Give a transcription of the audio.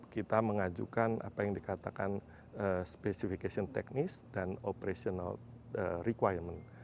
kita mengajukan apa yang dikatakan specification teknis dan operational requirement